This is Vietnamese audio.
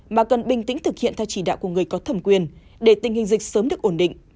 mà cần bình tĩnh thực hiện theo chỉ đạo của người có thẩm quyền để tình hình dịch sớm được ổn định